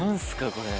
これ。